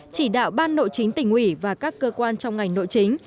chỉ đạo ban nội chính tỉnh ủy và các cơ quan trong ngành nội chính